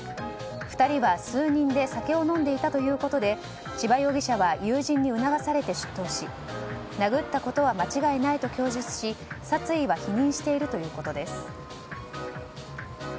２人は数人で酒を飲んでいたということで千葉容疑者は友人に促されて出頭し殴ったことは間違いないと供述し殺意は否認しているということです。